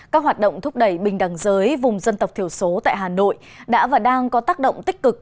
các hoạt động thúc đẩy bình đẳng giới vùng dân tộc thiểu số tại hà nội đã và đang có tác động tích cực